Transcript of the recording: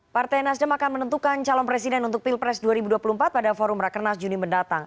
partai nasdem akan menentukan calon presiden untuk pilpres dua ribu dua puluh empat pada forum rakernas juni mendatang